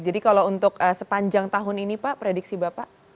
jadi kalau untuk sepanjang tahun ini pak prediksi bapak